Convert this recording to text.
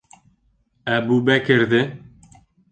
Әбүбәкерҙе...